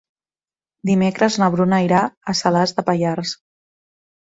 Dimecres na Bruna irà a Salàs de Pallars.